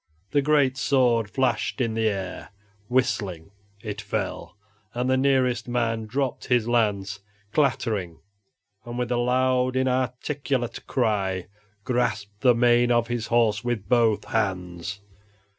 The great sword flashed in the air, whistling; it fell, and the nearest man dropped his lance, clattering, and with a loud, inarticulate cry, grasped the mane of his horse with both hands.